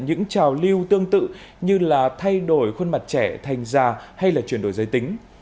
những trào lưu tương tự như là thay đổi khuôn mặt trẻ thành già hay là chuyển đổi giới tính